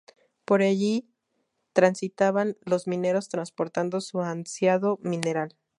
Por allí transitaban los mineros transportando su ansiado mineral.